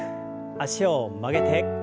脚を曲げて。